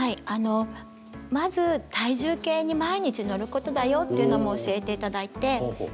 あのまず体重計に毎日乗ることだよというのも教えて頂いて。